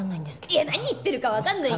いや何言ってるかわかんないって。